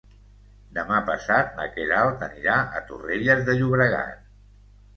Demà passat na Queralt anirà a Torrelles de Llobregat.